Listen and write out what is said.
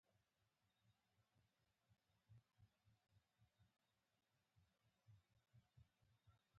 دوی ته غوږ ونیسه دا ارزښتمن کار دی.